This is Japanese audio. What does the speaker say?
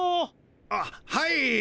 あっはい。